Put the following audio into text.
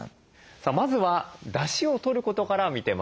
まずはだしをとることから見てまいりましょう。